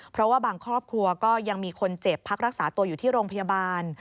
เพราะว่าบางครอบครัวก็ยังมีคนเจ็บพักรักษาตัวอยู่ที่โรงพยาบาล